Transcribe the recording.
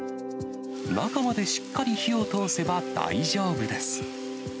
中までしっかり火を通せば、大丈夫です。